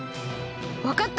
わかった！